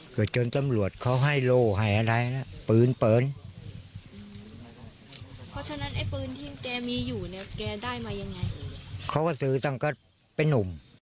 เขาก็ซื้อจังก็เป็นนุ่ม